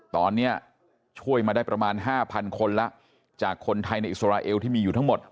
ตอนนี้ช่วยมาได้ประมาณ๕๐๐คนแล้วจากคนไทยในอิสราเอลที่มีอยู่ทั้งหมด